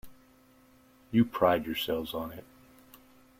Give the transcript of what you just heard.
You pride yourselves on it.